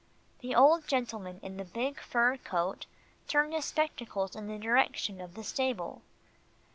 The old gentleman in the big fur coat turned his spectacles in the direction of the stable.